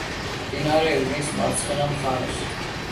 მდინარე ივრის მარცხენა მხარეს.